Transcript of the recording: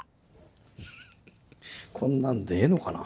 フフフこんなんでええのかな。